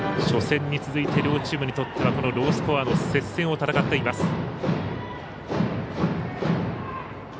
初戦に続いて両チームにとってはロースコアの接戦を戦っています。